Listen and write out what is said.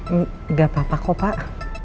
enggak apa apa kok pak